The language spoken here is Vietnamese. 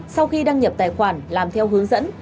sau khi đăng nhập tài khoản làm theo hướng dẫn